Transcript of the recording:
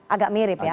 agak mirip ya